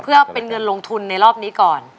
เพื่อเป็นเงินลงทุนในรอบนี้ก่อน